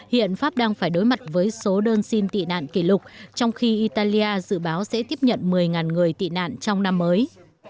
hiện pháp đang phải đối mặt với số đơn xin tị nạn kỷ lục trong khi italia dự báo sẽ tiếp nhận một mươi người tị nạn trong năm mới